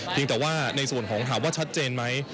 เพียงแต่ว่าในส่วนของข้าวว่าชัดเจนไหม